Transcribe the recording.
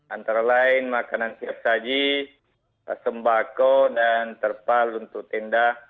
antara lain makanan siap saji sembako dan terpal untuk tenda